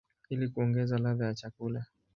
ili kuongeza ladha ya chakula.